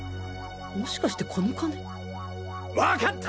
もしかしてこの金！分かった！！